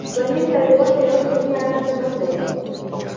د کورنۍ سره د وخت تېرول د ذهني ارام سبب دی.